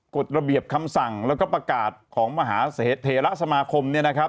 กฎระเบียบคำสั่งแล้วก็ประกาศของมหาเทระสมาคม